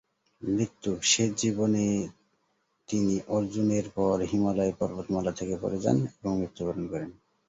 মৃত্যু:- শেষ জীবন -এ তিনি অর্জুন -এর পর হিমালয় পর্বতমালা থেকে পড়ে যান এবং মৃত্যু বরণ করেন।